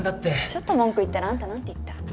ちょっと文句言ったらあんた何て言った？